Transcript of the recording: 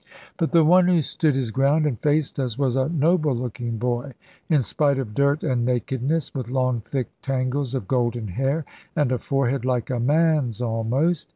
But the one who stood his ground, and faced us, was a noble looking boy, in spite of dirt and nakedness, with long thick tangles of golden hair, and a forehead like a man's almost.